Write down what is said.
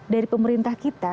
dari pemerintah kita